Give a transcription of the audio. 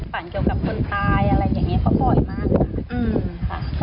ฝันเกี่ยวกับคนตายเพราะปล่อยมาก